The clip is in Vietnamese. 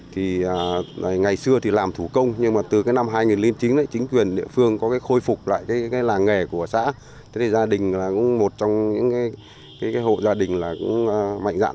kết thúc năm hai nghìn một mươi chín bắc cạn có một trăm linh linh